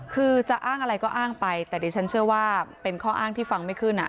คือจะอ้างอะไรก็อ้างไปแต่ดิฉันเชื่อว่าเป็นข้ออ้างที่ฟังไม่ขึ้น